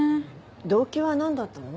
動機はなんだったの？